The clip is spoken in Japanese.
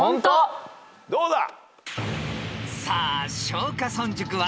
どうだ！